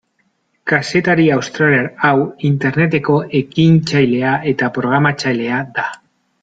Kazetari australiar hau Interneteko ekintzailea eta programatzailea da.